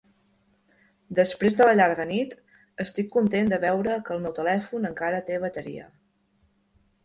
Després de la llarga nit, estic content de veure que el meu telèfon encara té bateria.